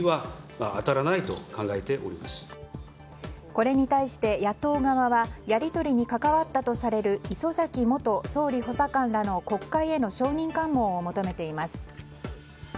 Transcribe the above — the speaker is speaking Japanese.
これに対して野党側はやり取りにかかわったとされる磯崎元総理補佐官らの国会への証人喚問を求めています。